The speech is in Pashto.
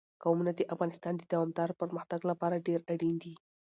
قومونه د افغانستان د دوامداره پرمختګ لپاره ډېر اړین دي.